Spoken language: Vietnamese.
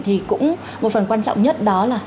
thì cũng một phần quan trọng nhất đó là